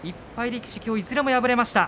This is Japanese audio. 力士、きょういずれも敗れました。